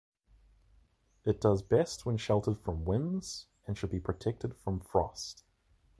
It does best when sheltered from winds and should be protected from frost.